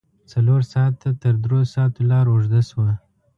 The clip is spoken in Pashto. څلور ساعته تر دروساتو لار اوږده شوه.